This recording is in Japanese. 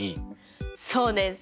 そうです。